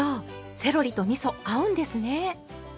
セロリとみそ合うんですね。